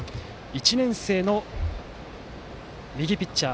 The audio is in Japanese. １年生の右ピッチャー